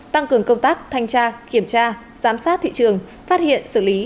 tăng cường công tác thanh tra kiểm tra giám sát thị trường phát hiện xử lý